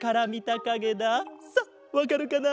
さあわかるかな？